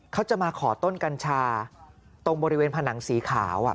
เขาจะมาขอต้นกัญชาตรงบริเวณผนังสีขาว